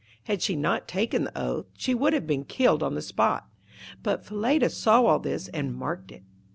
Had she not taken the oath she would have been killed on the spot. But Falada saw all this and marked it.